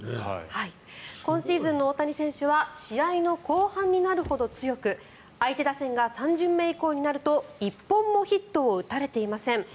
今シーズンの大谷選手は試合の後半になるほど強く相手打線が３巡目以降になると１本もヒットを打たれていません。